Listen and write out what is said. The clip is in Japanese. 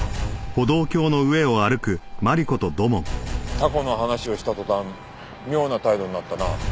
タコの話をした途端妙な態度になったな。